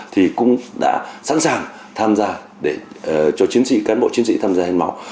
thì cũng đã sẵn sàng tham gia để cho chiến sĩ cán bộ chiến sĩ tham gia hiến máu